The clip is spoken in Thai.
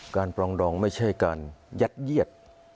ปรองดองไม่ใช่การยัดเยียด